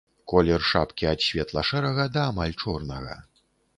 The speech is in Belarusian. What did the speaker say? Колер шапкі ад светла-шэрага да амаль чорнага.